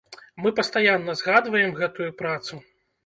Мы пастаянна згадваем гэтую працу.